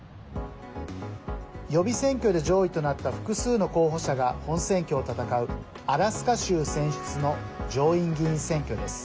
予備選挙で上位となった複数の候補者が本選挙を戦うアラスカ州選出の上院議員選挙です。